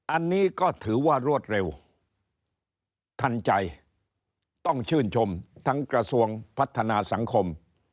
อันนี้ก็ถือว่ารวดเร็วทันใจต้องชื่นชมทั้งกระทรวงพัฒนาสังคม